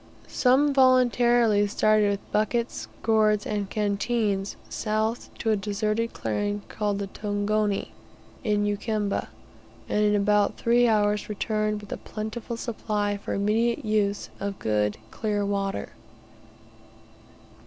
Some voluntarily started with buckets, gourds, and canteens south to a deserted clearing called the "Tongoni" in Ukamba, and in about three hours returned with a plentiful supply for immediate use, of good and clear water.